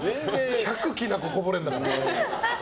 １００きな粉こぼれるから。